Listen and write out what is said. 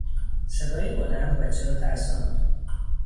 صدای بلند بچه را ترساند.